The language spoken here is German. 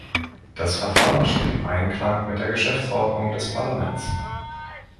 Das Verfahren steht im Einklang mit der Geschäftsordnung des Parlaments.